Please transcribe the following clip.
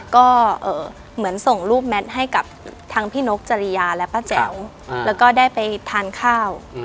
ก็เหมือนส่งรูปแมทให้กับทางพี่นกจริยาและป้าแจ๋วแล้วก็ได้ไปทานข้าว